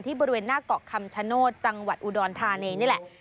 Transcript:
บริเวณหน้าเกาะคำชโนธจังหวัดอุดรธานีนี่แหละ